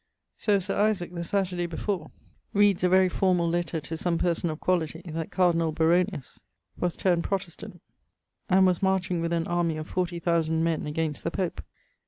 So Sir Isaac, the Saterday before, reades a very formall lettre to some person of quality, that cardinal Baronius was turned Protestant, and was marching with an army of 40,000 men against the Pope.